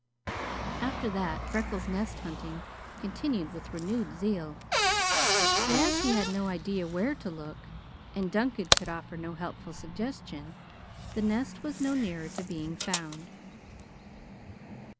After that Freckles' nest hunting continued with renewed zeal, but as he had no idea where to look and Duncan could offer no helpful suggestion, the nest was no nearer to being found.